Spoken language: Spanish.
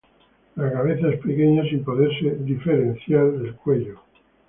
La cabeza es pequeña sin poderse distinguir del cuello.